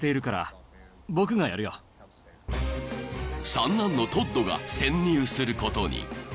［三男のトッドが潜入することに］